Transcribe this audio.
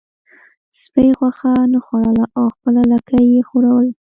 سپي غوښه نه خوړله او خپله لکۍ یې ښوروله.